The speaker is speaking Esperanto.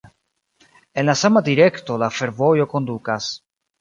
En la sama direkto, la fervojo kondukas.